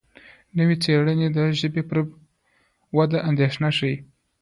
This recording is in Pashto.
نوې څېړنې د ژبې پر وده اندېښنه ښيي.